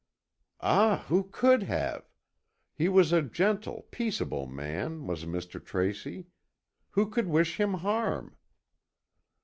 "Ah, who could have? He was a gentle, peaceable man, was Mr. Tracy. Who could wish him harm?"